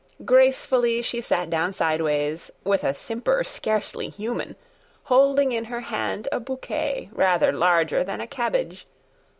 Gracefully she sat down sideways, With a simper scarcely human, Holding in her hand a bouquet Rather larger than a cabbage.